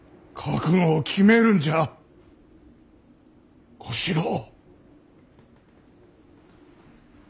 覚悟を決めるんじゃ小四郎。